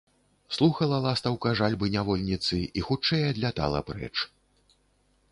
Слухала ластаўка жальбы нявольніцы і хутчэй адлятала прэч.